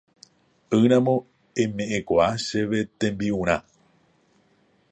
ỹramo eme'ẽkuaa chéve tembi'urã